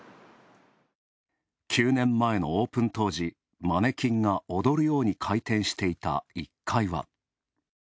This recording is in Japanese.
９年前のオープン当時マネキンが踊るように回転していた１階は。